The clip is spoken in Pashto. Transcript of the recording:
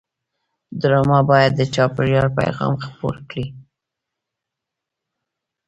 ډرامه باید د چاپېریال پیغام خپور کړي